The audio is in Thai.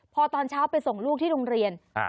พอตอนเช้าไปส่งลูกที่โรงเรียน